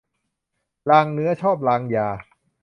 ลางเนื้อชอบลางยา